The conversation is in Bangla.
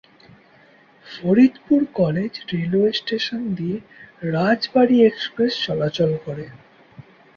ফরিদপুর কলেজ রেলওয়ে স্টেশন দিয়ে রাজবাড়ী এক্সপ্রেস চলাচল করে।